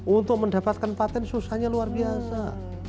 untuk mendapatkan patent susahnya luar biasa